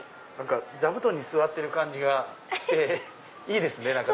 座布団に座ってる感じがしていいですね何か。